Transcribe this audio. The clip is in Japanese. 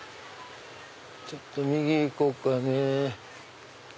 ちょっと右へ行こうかね。